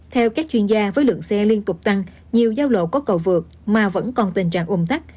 theo các chuyên gia với lượng xe liên tục tăng nhiều giao lộ có cầu vượt mà vẫn còn tình trạng ủng tắc